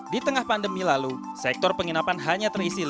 di tengah pandemi lalu sektor penginapan hanya terisi